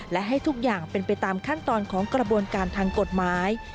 และให้ทุกอย่างเป็นไปตามขั้นตอนของกระบวนการทางกฎหมาย